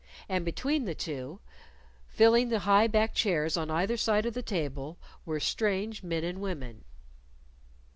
And between the two, filling the high backed chairs on either side of the table, were strange men and women.